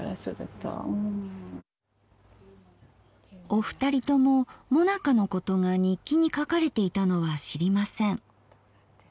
お二人とももなかのことが日記に書かれていたのは知りません。